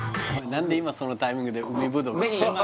何で今そのタイミングで海ぶどう？